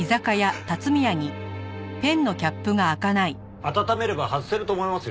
温めれば外せると思いますよ。